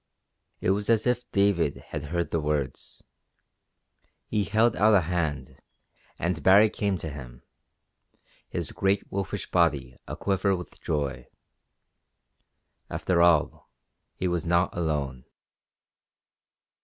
It was as if David had heard the words. He held out a hand and Baree came to him, his great wolfish body aquiver with joy. After all, he was not alone.